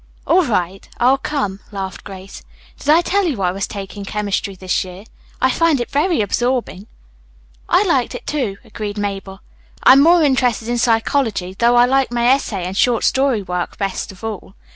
"All right, I'll come," laughed Grace. "Did I tell you I was taking chemistry this year? I find it very absorbing." "I liked it, too," agreed Mabel. "I am more interested in psychology, though I like my essay and short story work best of all.